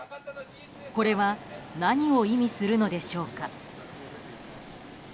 これは何を意味するのでしょうか。